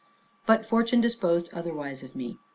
But fortune disposed otherwise of me.